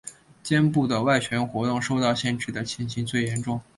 肩部的外旋活动受到限制的情形最严重。